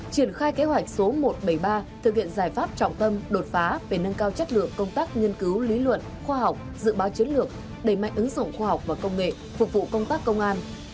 triển khai kế hoạch số một trăm bảy mươi ba thực hiện giải pháp trọng tâm đột phá về nâng cao chất lượng công tác nghiên cứu lý luận khoa học dự báo chiến lược đẩy mạnh ứng dụng khoa học và công nghệ phục vụ công tác công an